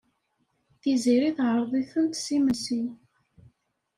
Tiziri teɛreḍ-iten-d s imensi.